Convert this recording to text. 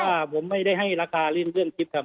ว่าผมไม่ได้ให้ราคาเล่นเรื่องคลิปครับ